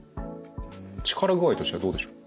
力具合としてはどうでしょうか？